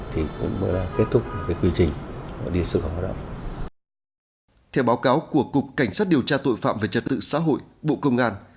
theo báo cáo của cục cảnh sát điều tra tội phạm về trật tự xã hội bộ công an